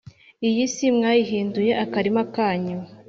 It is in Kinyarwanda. iyi si mwayihinduye akarima kanyu,